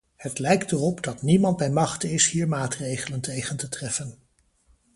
Het lijkt erop dat niemand bij machte is hier maatregelen tegen te treffen.